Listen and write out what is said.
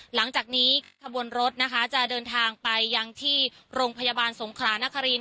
หลังจากนี้ขบวนรถนะคะจะเดินทางไปยังที่โรงพยาบาลสงครานคริน